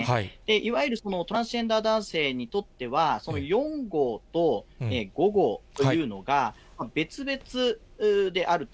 いわゆるトランスジェンダー男性にとっては、４号と５号というのが、別々であると、